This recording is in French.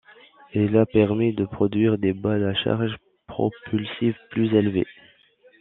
Il a permis de produire des balles à charge propulsive plus élevée.